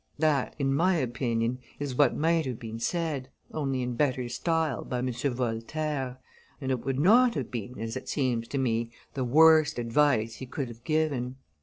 That, in my opinion, is what might have been said, only in better style, by M. Voltaire, and it would not have been, as it seems to me, the worst advice he could have given."